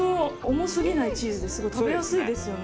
重すぎないチーズですごい食べやすいですよね。